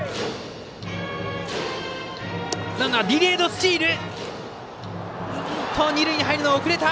ランナーディレードスチール。